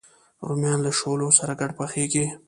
رومیان له شولو سره ګډ پخېږي